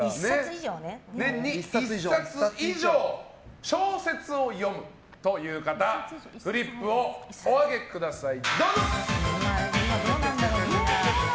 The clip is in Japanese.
１冊以上小説を読むという方フリップをお上げください。